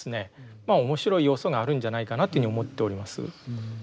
まあ面白い要素があるんじゃないかなというふうに思っております。